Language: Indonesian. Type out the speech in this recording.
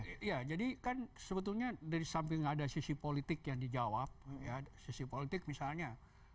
iya jadi kan sebetulnya dari samping ada sisi politik yang dijawab sisi politik misalnya